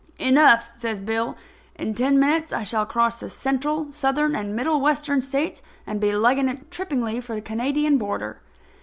"Enough," says Bill. "In ten minutes I shall cross the Central, Southern and Middle Western States, and be legging it trippingly for the Canadian border."